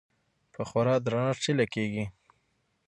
په خورا درنښت هيله کيږي